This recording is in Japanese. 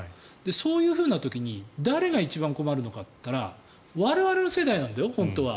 そういうふうな時に誰が一番困るのかって言ったら我々の世代なんだよ、本当は。